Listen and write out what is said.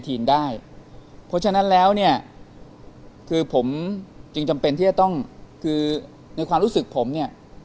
เพราะฉะนั้นแล้วเนี่ยคือผมจึงจำเป็นที่จะต้องคือในความรู้สึกผมเนี่ย